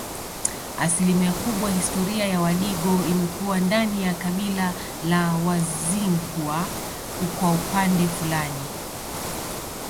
Asilimia kubwa historia ya Wadigo imekuwa ndani ya kabila la Wazigua kwa upande fulani